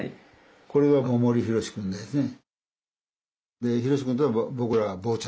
これが大森宏くんですね。